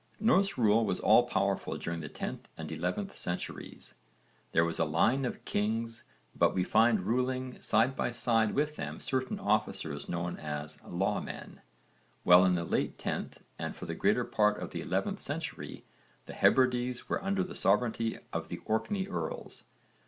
Norse rule was all powerful during the 10th and 11th centuries. There was a line of kings but we find ruling side by side with them certain officers known as 'lawmen' (v. infra, p. 103), while in the late 10th and for the greater part of the 11th century, the Hebrides were under the sovereignty of the Orkney earls.